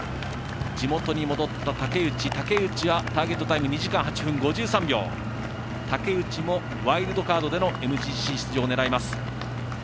地元に戻った竹内竹内はターゲットタイム２時間８分５３秒竹内もワイルドカードでのＭＧＣ出場を狙います。